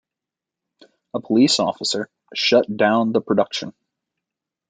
A police officer shut down the production.